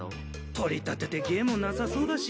取り立てて芸もなさそうだし。